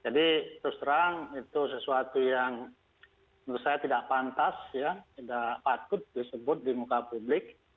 jadi terus terang itu sesuatu yang menurut saya tidak pantas tidak patut disebut di muka publik